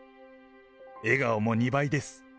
笑顔も２倍です。